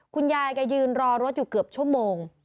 คุณยายแกยืนรอรถอยู่เกือบชั่วโมง